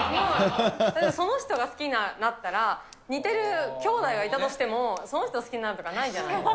その人が好きになったら、似てる兄弟がいたとしても、その人を好きになるとか、ないじゃないですか。